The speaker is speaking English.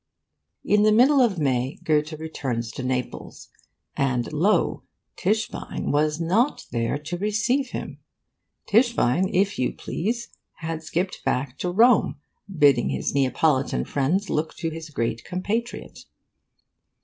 In the middle of May, Goethe returned Naples. And lo! Tischbein was not there to receive him. Tischbein, if you please, had skipped back to Rome, bidding his Neapolitan friends look to his great compatriot.